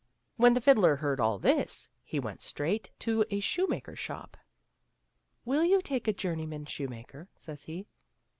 When the fiddler heard all this he went straight to a shoemaker's shop. Will you take a journeyman shoemaker ?" says he.